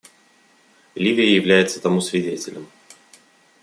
Ливия является тому свидетелем.